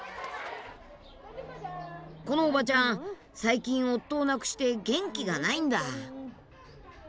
このおばちゃん最近夫を亡くして元気がないんだ。